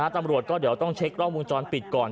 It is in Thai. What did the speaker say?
ตำรวจก็เดี๋ยวต้องเช็คกล้องวงจรปิดก่อน